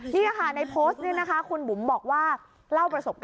นี่ค่ะในโพสต์นี้นะคะคุณบุ๋มบอกว่า